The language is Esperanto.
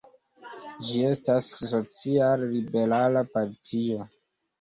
Ĝi estas social-liberala partio.